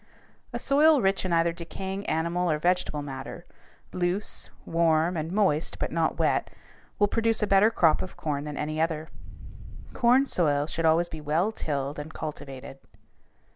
A soil rich in either decaying animal or vegetable matter, loose, warm, and moist but not wet, will produce a better crop of corn than any other. Corn soil should always be well tilled and cultivated.